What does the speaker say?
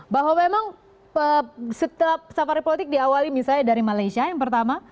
bahwa memang setiap safari politik diawali misalnya dari malaysia yang pertama